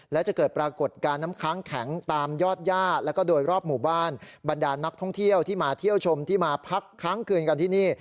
และจะเกิดปรากฏการณ์น้ำค้างแข็งตามยอดย่าแล้วก็โดยรอบหมู่บ้านบรรดานักท่องเที่ยวที่มาเที่ยวชมที่มาพักค้างคืนกันที่นี่